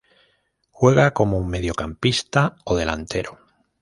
Juega como mediocampista o delantero.